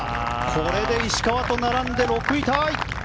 これで石川と並んで６位タイ。